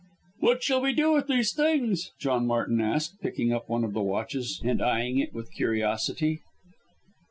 "What shall we do with these things?" John Martin asked, picking up one of the watches and eyeing it with curiosity.